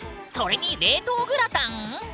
それに冷凍グラタン